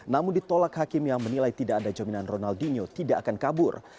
namun ditolak hakim yang menilai tidak ada jaminan ronaldinho tidak akan kabur